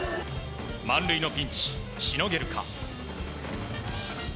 満塁のピンチ、しのげるか。